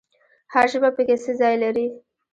هر ژبه پکې څه ځای لري؟